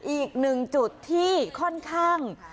อีกหนึ่งจุดที่ค่อนข้าง